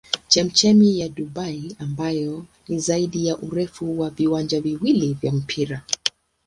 Chemchemi ya Dubai ambayo ni zaidi ya urefu wa viwanja viwili vya mpira.